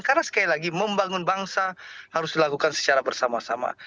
karena sekali lagi membangun bangsa harus dilakukan secara bersama sama